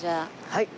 はい。